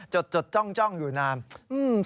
จดจ่องอยู่ว่านำ